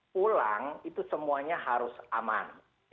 pulang itu semuanya harus aman